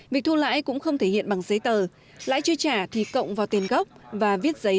việc thu lãi cũng không thể hiện bằng giấy tờ lãi chưa trả thì cộng vào tiền gốc và viết giấy